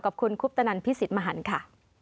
กับคุณคุปตนันพิสิทธิ์มหันต์ค่ะ